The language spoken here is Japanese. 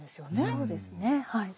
そうですねはい。